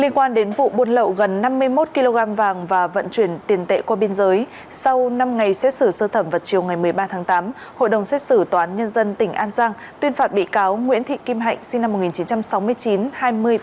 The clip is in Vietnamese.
liên quan đến vụ buôn lậu gần năm mươi một kg vàng và vận chuyển tiền tệ qua biên giới sau năm ngày xét xử sơ thẩm vào chiều ngày một mươi ba tháng tám hội đồng xét xử toán nhân dân tỉnh an giang tuyên phạt bị cáo nguyễn thị kim hạnh sinh năm một nghìn chín trăm sáu mươi chín